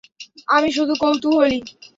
আমি শুধু কৌতুহলী।